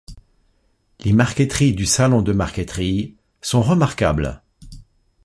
Les marqueteries du salon de marqueterie sont remarquables.